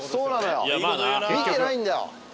見てないんだよ。